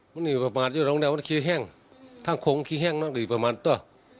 มันอยู่ประมาณอยู่ตรงนี้ว่าขี้แห้งถ้าคงขี้แห้งน่ะหรือประมาณตัว